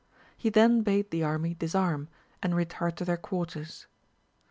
He then bade the army disarm, and retire to their quarters.